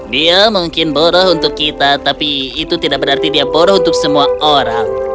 dia mungkin boroh untuk kita tapi itu tidak berarti dia bodoh untuk semua orang